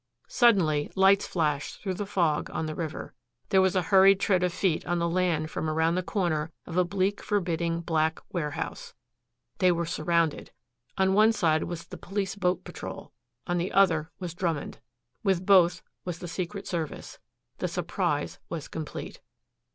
Suddenly lights flashed through the fog on the river. There was a hurried tread of feet on the land from around the corner of a bleak, forbidding black warehouse. They were surrounded. On one side was the police boat Patrol. On the other was Drummond. With both was the Secret Service. The surprise was complete.